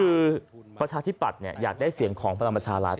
คือประชาธิปัตย์อยากได้เสียงของพลังประชารัฐ